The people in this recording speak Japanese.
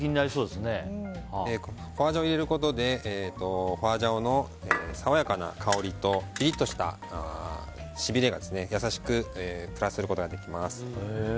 ホアジャオを入れることでホアジャオの爽やかな香りとピリッとしたしびれを優しくプラスすることができます。